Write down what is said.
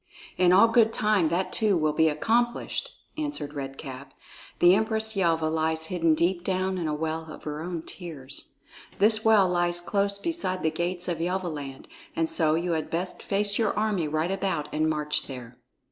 "In all good time that too will be accomplished," answered Red Cap. "The Empress Yelva lies hidden deep down in a well of her own tears. This well lies close beside the gates of Yelvaland, and so you had best face your army right about and march there."